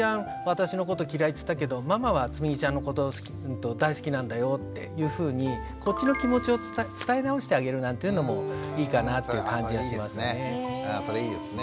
私のこと嫌いって言ったけどママはつむぎちゃんのこと大好きなんだよ」っていうふうにこっちの気持ちを伝え直してあげるなんていうのもいいかなっていう感じはしますね。